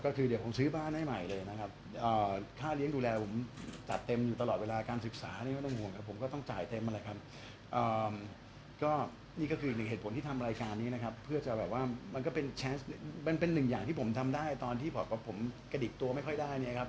ก็คือเดี๋ยวผมซื้อบ้านให้ใหม่เลยนะครับค่าเลี้ยงดูแลผมจัดเต็มอยู่ตลอดเวลาการศึกษาเนี่ยไม่ต้องห่วงครับ